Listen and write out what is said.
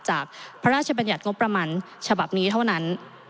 จากพระราชบัญญัติงบประมาณฉบับนี้เท่านั้น